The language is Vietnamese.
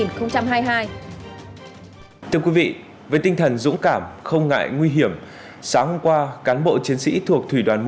thưa quý vị với tinh thần dũng cảm không ngại nguy hiểm sáng hôm qua cán bộ chiến sĩ thuộc thủy đoàn một